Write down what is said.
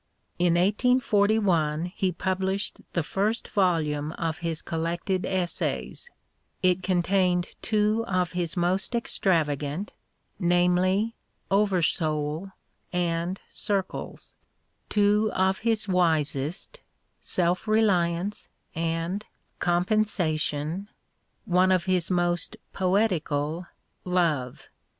In 1841 he published the first volume of his collected essays — ^it contained two of his most extravagant, namely, " Over Soul " and " Circles "; two of his wisest, " Self Reliance " and " Compensation "; one of his most poetical, "Love."